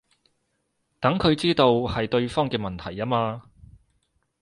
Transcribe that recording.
等佢知道係對方嘅問題吖嘛